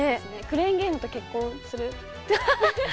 クレーンゲームと結婚する。